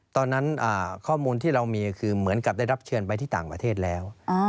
ตอนนั้นข้อมูลที่เรามีคือเหมือนกับได้รับเชิญไปที่ต่างประเทศแล้ว